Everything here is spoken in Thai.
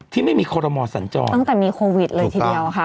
ที่ไม่มีคอรมอสัญจรตั้งแต่มีโควิดเลยทีเดียวค่ะ